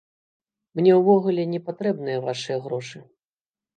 Мне ўвогуле не патрэбныя вашыя грошы.